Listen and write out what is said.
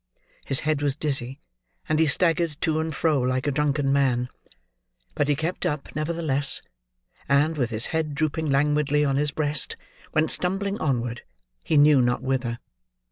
His head was dizzy, and he staggered to and fro like a drunken man. But he kept up, nevertheless, and, with his head drooping languidly on his breast, went stumbling onward, he knew not whither.